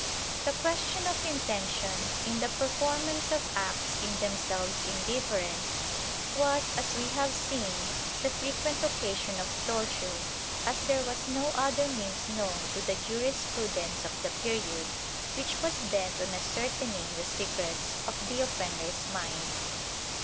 The question of intention, in the performance of acts in them selves indifferent, was, as we have seen, the frequent occasion of torture, as there was no other means known to the jurispru dence of the period, which was bent on ascertaining the secrets of the offender's mind.